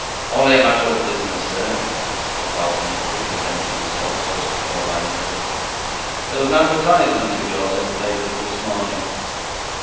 'Only a matter of business, sir,' said Ralph Nickleby, presenting himself, closely followed by Nicholas. 'There was an advertisement of yours in the papers this morning?